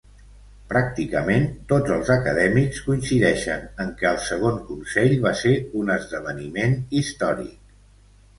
Pràcticament tots els acadèmics coincideixen en que el segon consell va ser un esdeveniment històric.